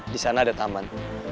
di sana ada taman